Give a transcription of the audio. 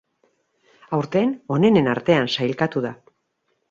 Aurten onenen artean sailkatu da.